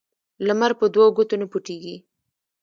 لمر په دوو ګوتو نه پوټیږی.